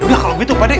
yaudah kalau gitu pak de